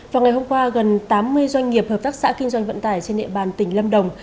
vào ngày hôm qua gần tám mươi doanh nghiệp hợp tác xã kinh doanh vận tải trên địa bàn tỉnh lâm đồng